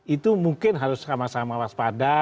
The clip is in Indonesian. itu mungkin harus sama sama waspada